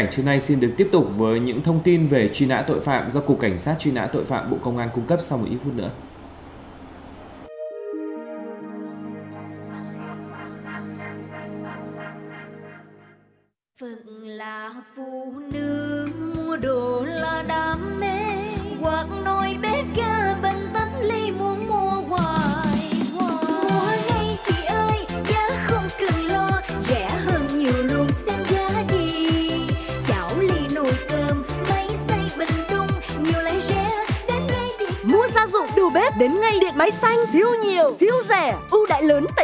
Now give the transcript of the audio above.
đừng tiếp tục với những thông tin về truy nã tội phạm do cục cảnh sát truy nã tội phạm bộ công an cung cấp sau một phút nữa